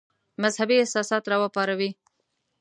مذهبي احساسات را وپاروي.